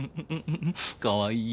かわいい。